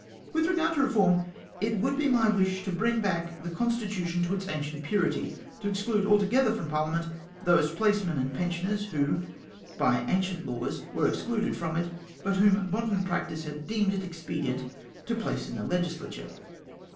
With regard to reform, it would be my wish to bring back the constitution to its ancient purity — to exclude altogether from parliament those placemen and pensioners who, by ancient laws, were excluded from it, but whom modern practice had deemed it expedient to place in the Legislature.